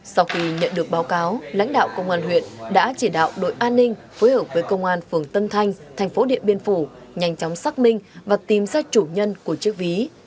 sau khi nhận được báo cáo lãnh đạo công an huyện đã chỉ đạo đội an ninh phối hợp với công an phường tân thanh thành phố điện biên phủ nhanh chóng xác minh và tìm ra chủ nhân của chiếc ví